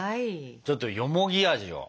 ちょっとよもぎ味を。